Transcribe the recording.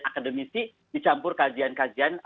akademisi dicampur kajian kajian